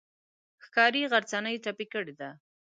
ښکاري غرڅنۍ ټپي کړې ده.